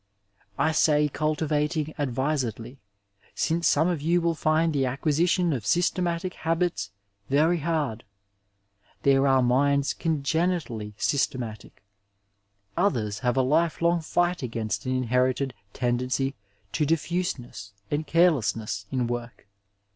I say cultivating advisedly, since some of you will find the acquisition of systematic habits very hard. There are minds congenitally systematic ; others have a lifelong fight against an inherited tendenc^^ to difihisenesa and carelessness in work.